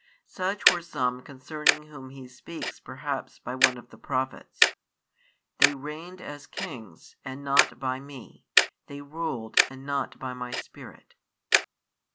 Such were some concerning whom He speaks perhaps by one of the Prophets; They reigned as kings, and not by Me; they ruled, and not by My Spirit.